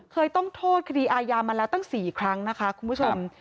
เคยต้องโทษคดีอายามาแล้วตั้ง๔ครั้งนะคะคุณผู้ชม